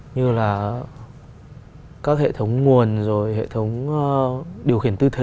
như là các hệ thống nguồn rồi hệ thống điều khiển tư thế